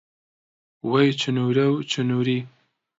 وەی چنوورە و چنووری